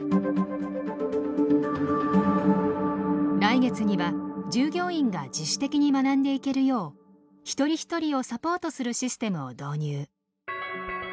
来月には従業員が自主的に学んでいけるよう一人一人をサポートするシステムを導入。